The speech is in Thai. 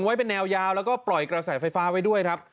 ให้อยู่เป็นแนวยาวแล้วก็ปล่อยกระแสไฟฟ้าไปด้วย